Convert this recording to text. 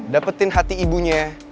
dapetin hati ibunya